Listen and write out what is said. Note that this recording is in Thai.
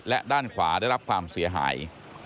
และด้านขวาได้รับความเสียหาย